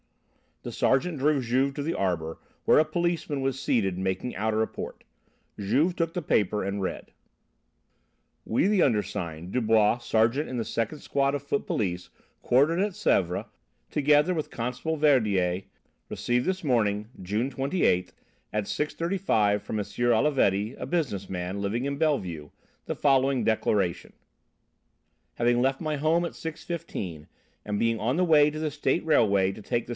The sergeant drew Juve to the arbour, where a policeman was seated making out a report. Juve took the paper and read: "We, the undersigned, Dubois, Sergeant in the second squad of foot police, quartered at Sèvres, together with Constable Verdier, received this morning, June 28th, at 6.35 from M. Olivetti, a business man, living in Bellevue, the following declaration: "'Having left my home at 6.15 and being on the way to the State Railway to take the 6.